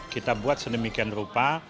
kita buat sedemikian rupa